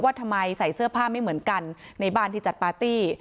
ทำไมใส่เสื้อผ้าไม่เหมือนกันในบ้านที่จัดปาร์ตี้